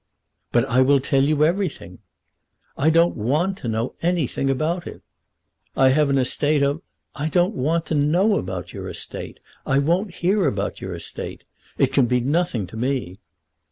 "But I will tell you everything." "I don't want to know anything about it." "I have an estate of " "I don't want to know about your estate. I won't hear about your estate. It can be nothing to me."